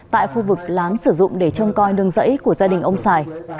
tại khu vực lán sử dụng để trông coi nương rẫy của gia đình ông sài